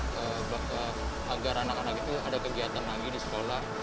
karena agar anak anak itu ada kegiatan lagi di sekolah